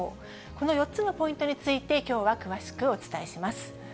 この４つのポイントについてきょうは詳しくお伝えします。